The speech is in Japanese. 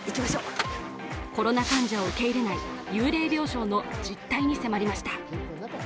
コロナ患者を受け入れない幽霊病床の実態に迫りました。